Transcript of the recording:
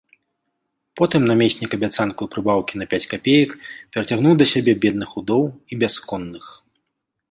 Потым намеснік абяцанкаю прыбаўкі на пяць капеек перацягнуў да сябе бедных удоў і бясконных.